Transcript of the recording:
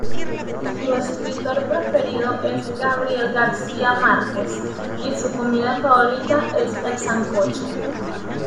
Su escritor preferido es Gabriel García Márquez y su comida favorita es el sancocho.